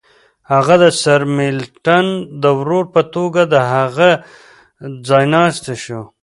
هغه د سرمیلټن د ورور په توګه د هغه ځایناستی شو.